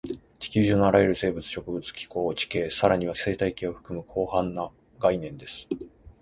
地球上のあらゆる生物、植物、気候、地形、さらには生態系を含む広範な概念です